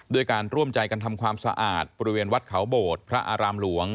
ด้วยการร่วมใจกันทำความสะอาดบริเวณวัดเขาโบดพระอารามหลวง